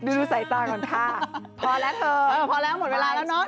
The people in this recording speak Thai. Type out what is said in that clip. ดูสายตาก่อนค่ะพอแล้วเธอพอแล้วหมดเวลาแล้วเนอะ